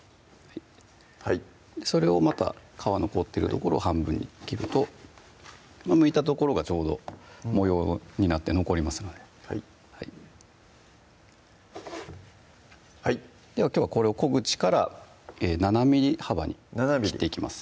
それをまた皮残ってる所を半分に切るとむいた所がちょうど模様になって残りますのではいではきょうはこれを小口から７ｍｍ幅に切っていきます